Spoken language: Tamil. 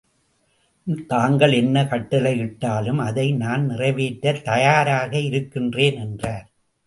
தாங்கள் என்ன கட்டளையிட்டாலும் அதை நான் நிறைவேற்றத் தயாராக இருக்கின்றேன் என்றார்.